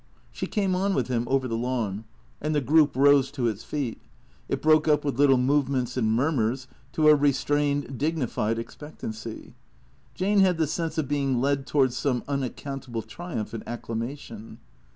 She came on with him over the lawn. And the group rose to its feet; it broke up with little movements and murmurs, in a restrained, dignified expectancy. Jane had the sense of being led towards some unaccountable triumph and acclama tion.